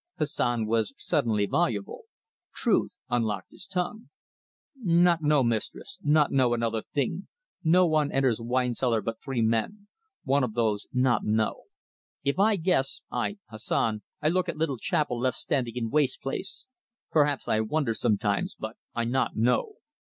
Hassan was suddenly voluble. Truth unlocked his tongue. "Not know, mistress not know another thing. No one enters wine cellar but three men. One of those not know. If I guess I, Hassan I look at little chapel left standing in waste place. Perhaps I wonder sometimes, but I not know."